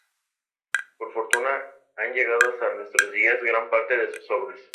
Por fortuna, han llegado hasta nuestros días gran parte de sus obras.